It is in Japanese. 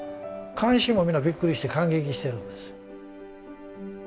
観衆も皆びっくりして感激してるんです。